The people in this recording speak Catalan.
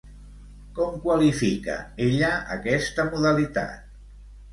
Com qualifica, ella, aquesta modalitat?